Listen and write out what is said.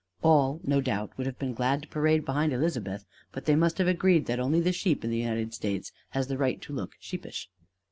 All, no doubt, would have been glad to parade behind Elizabeth; but they must have agreed that only the sheep in the United States has the right to look sheepish.